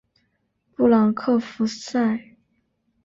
布朗克福塞。